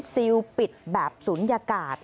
ซิลปิดแบบศูนยากาศ